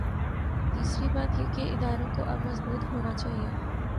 تیسری بات یہ کہ اداروں کو اب مضبوط ہو نا چاہیے۔